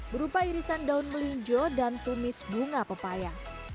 berupa irisan daun melinjo dan tumis bunga pepaya